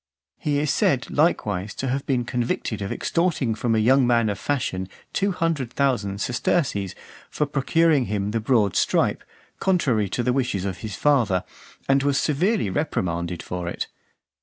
He is said likewise to have been convicted of extorting from a young man of fashion two hundred thousand sesterces for procuring him the broad stripe, contrary to the wishes of his father, and was severely reprimanded for it.